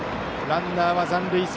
ランナーは残塁。